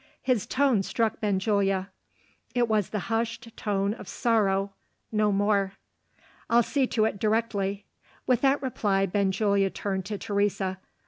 His tone struck Benjulia. It was the hushed tone of sorrow no more. "I'll see to it directly." With that reply, Benjulia turned to Teresa.